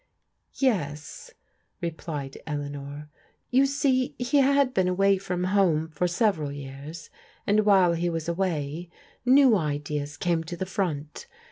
"Yes," replied Eleanor; "you see he had been away from home for several years, and while he was away new ideas came to the front.